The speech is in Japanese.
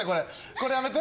これやめて。